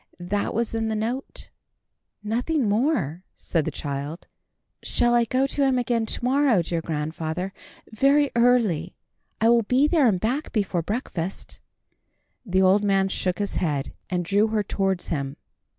That was in the note." "Nothing more," said the child. "Shall I go to him again to morrow, dear grandfather? Very early. I will be there and back before breakfast." The old man shook his head, and drew her towards him.